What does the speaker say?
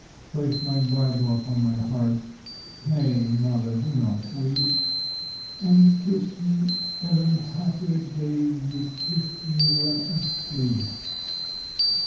Place my Bible upon my heart nay, mother, do not weep And kiss me as in happier days you kissed me when asleep.